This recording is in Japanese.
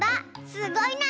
すごいな！